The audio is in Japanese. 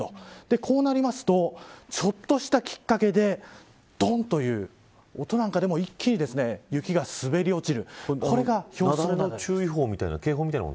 こうなりますとちょっとしたきっかけでドンという音なんかでも一気に雪が滑り落ちる。